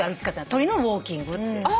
鳥のウオーキングって。